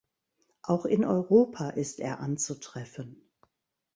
Auch in Europa ist er anzutreffen.